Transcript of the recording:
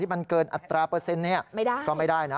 มันเกินอัตราเปอร์เซ็นต์ก็ไม่ได้นะ